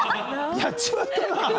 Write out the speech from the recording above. やっちまったな！！